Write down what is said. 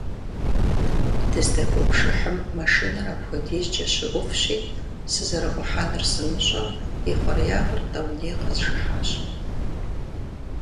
Дыздэкӏуэ пшыхьым машинэр апхуэдизкӏэ щыӏувщи, сызэрыӏухьэнур сымыщӏэу, и хъуреягъыр тӏэуней къэзжыхьащ.